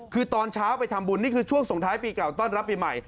คือตอนเช้าไปทำบุญนี่คือช่วงส่งท้ายปีเก่าต้อนรับปีใหม่